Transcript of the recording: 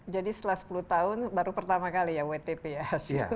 jadi setelah sepuluh tahun baru pertama kali ya wtp ya hasilnya